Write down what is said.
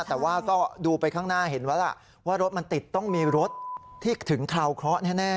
แต่ว่าก็ดูไปข้างหน้าเห็นแล้วล่ะว่ารถมันติดต้องมีรถที่ถึงคราวเคราะห์แน่